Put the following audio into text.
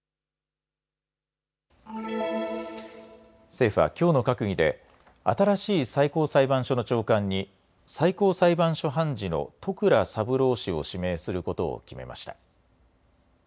政府はきょうの閣議で新しい最高裁判所の長官に最高裁判所判事の戸倉三郎氏を指名することを決めました。